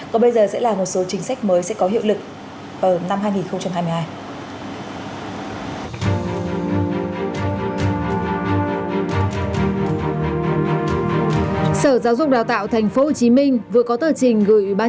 còn bây giờ sẽ là một số chính sách mới sẽ có hiệu lực vào năm hai nghìn hai mươi hai